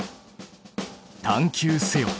探究せよ！